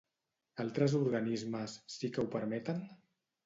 Altres organismes sí que ho permeten?